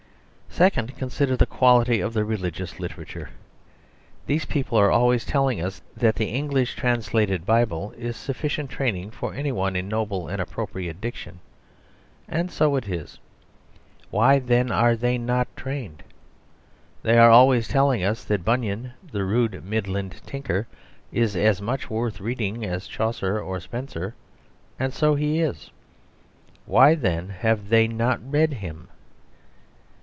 Second, consider the quality of the religious literature! These people are always telling us that the English translated Bible is sufficient training for anyone in noble and appropriate diction; and so it is. Why, then, are they not trained? They are always telling us that Bunyan, the rude Midland tinker, is as much worth reading as Chaucer or Spenser; and so he is. Why, then, have they not read him?